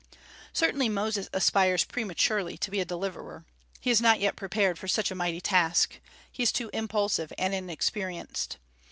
Certainly Moses aspires prematurely to be a deliverer. He is not yet prepared for such a mighty task. He is too impulsive and inexperienced.